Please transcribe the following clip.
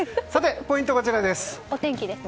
ポイントはこちらです。